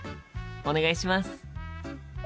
お願いします！